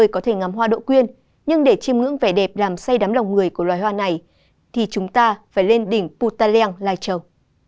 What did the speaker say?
có thể ngắm hoa đỗ quyên nhưng để chiêm ngưỡng vẻ đẹp làm say đắm lòng người của loài hoa này thì chúng ta phải lên đỉnh putaleng lai châu